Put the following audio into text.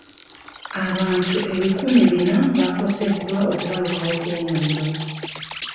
Abantu ebikumi bina baakosebwa okubalukawo kw'omuliro.